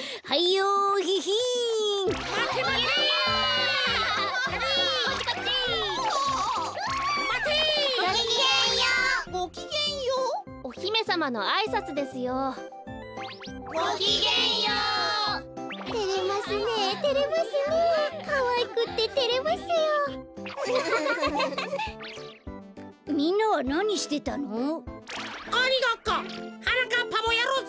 はなかっぱもやろうぜ。